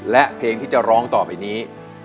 และเพลงที่จะร้องต่อไปนี้